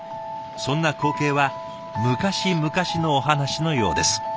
そんな光景は昔々のお話のようです。